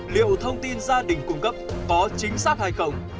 liệu thông tin gia đình cung cấp có chính xác hay không